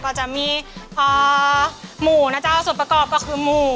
ก็จะมีหมูนะเจ้าส่วนประกอบก็คือหมู